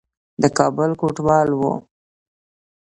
د کابل کوټوال وو.